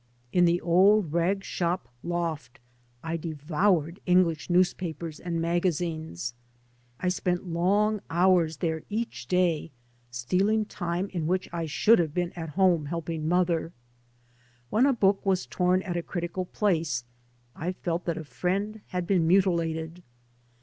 In the old rag shop loft I devoured English newspapers and magazines. I spent long hours there each day, stealing time in which I should have been at home helping mother. When a book was torn at a critical place I felt that a friend had been mutilated.